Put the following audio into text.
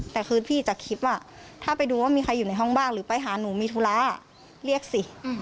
แต่คือพี่จากคลิปว่าถ้าไปดูว่ามีใครอยู่ในห้องบ้างหรือไปหาหนูมีธุระเรียกสิ